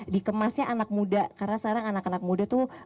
dikemasnya anak muda karena sekarang anak anak muda tuh